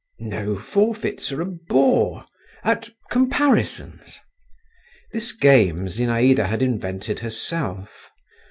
"No, forfeits are a bore; at comparisons." (This game Zinaïda had invented herself.